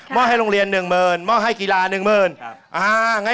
ให้โรงเรียน๑หมื่นมอบให้กีฬา๑หมื่น